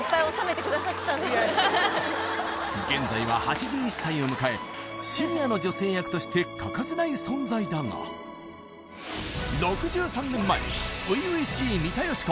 現在は８１歳を迎えシニアの女性役として欠かせない存在だが６３年前初々しい三田佳子